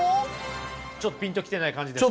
ちょっとピンと来てない感じですね。